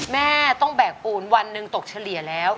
แม่ต้องแบกปูนวันหนึ่งตกเฉลี่ยแล้ว